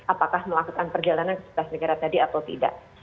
apakah melakukan perjalanan ke sebelas negara tadi atau tidak